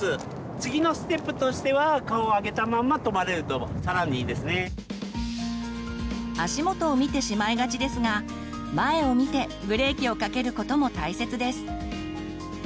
次のステップとしては足元を見てしまいがちですが前を見てブレーキをかけることも大切です。